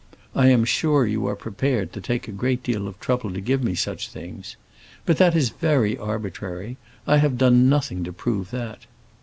I am sure you are prepared to take a great deal of trouble to give me such things. But that is very arbitrary; I have done nothing to prove that."